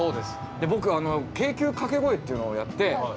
僕京急掛け声っていうのをやって。